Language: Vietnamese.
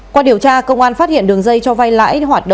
qua điều tra công an phát hiện đường dây cho vai lãi